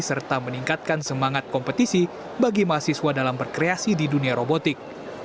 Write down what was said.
serta meningkatkan semangat kompetisi bagi mahasiswa dalam berkreasi di dunia robotik